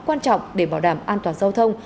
quan trọng để bảo đảm an toàn giao thông